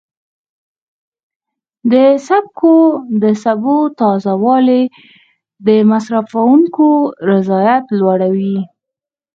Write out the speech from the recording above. د سبو تازه والی د مصرفونکو رضایت لوړوي.